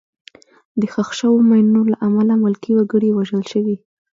د ښخ شوو ماینونو له امله ملکي وګړي وژل شوي.